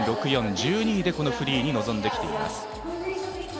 ９０．６４、１２位でこのフリーに臨んできています。